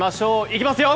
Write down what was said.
いきますよ